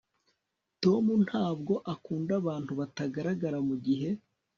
tom ntabwo akunda abantu batagaragara mugihe